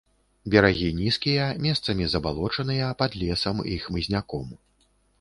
Берагі нізкія, месцамі забалочаныя, пад лесам і хмызняком.